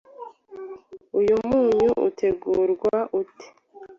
uyu munyu utegurwa ute